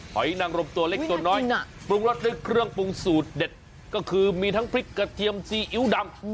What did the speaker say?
หอยนังรมตัวเล็กตัวน้อยปรุงรสด้วยเครื่องปรุงสูตรเด็ดก็คือมีทั้งพริกกระเทียมซีอิ๊วดำ